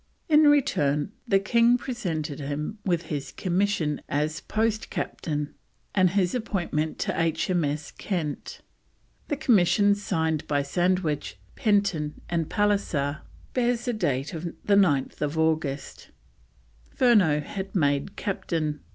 In return the King presented him with his commission as Post Captain and his appointment to H.M.S. Kent. The commission, signed by Sandwich, Penton, and Pallisser, bears date 9th August. Furneaux was made Captain.